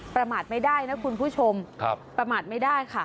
ประมาทไม่ได้นะคุณผู้ชมประมาทไม่ได้ค่ะ